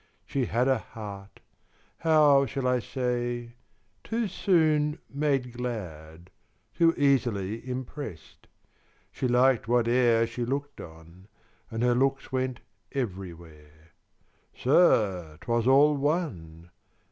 She had A heart how shall I say too soon made glad, Too easily impressed; she liked whate'er She looked on, and her looks went everywhere. Sir, 'twas all one!